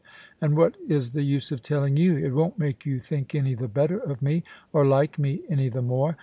... And what is the use of telling you ? It won't make you think any the better of me, or like me any the more.